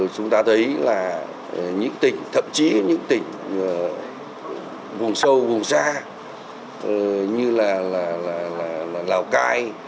chúng ta thấy là những tỉnh thậm chí những tỉnh vùng sâu vùng xa như là lào cai